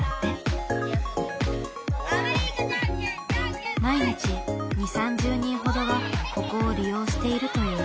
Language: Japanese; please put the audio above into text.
毎日２０３０人ほどがここを利用しているという。